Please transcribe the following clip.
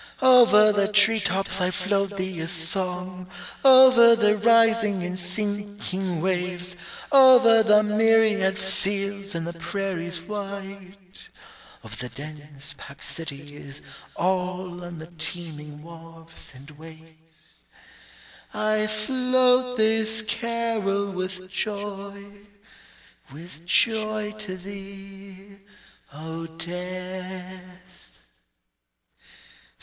_Over the tree tops I float thee a song, Over the rising and sinking waves, over the myriad fields and the prairies wide, Over the dense packed cities all and the teeming wharves and ways, I float this carol with joy, with joy to thee, O death_. 15.